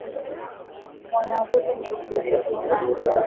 Mwana huyu ni mtukutu sana.